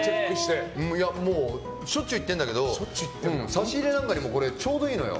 しょっちゅう行ってるんだけど差し入れなんかにもちょうどいいのよ。